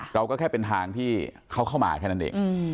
เราก็แค่เป็นทางที่เขาเข้ามาแค่นั้นเอง